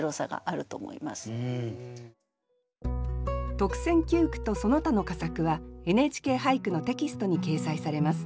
特選九句とその他の佳作は「ＮＨＫ俳句」のテキストに掲載されます。